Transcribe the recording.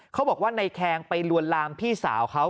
เขาบอกว่าในแคงไปลวนลามพี่สาวเขา